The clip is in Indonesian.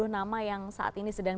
dua puluh nama yang saat ini sedang